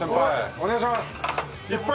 お願いします。